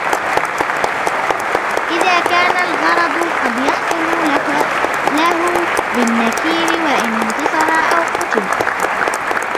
إذَا كَانَ الْغَرَضُ قَدْ يَحْصُلُ لَهُ بِالنَّكِيرِ وَإِنْ انْتَصَرَ أَوْ قُتِلَ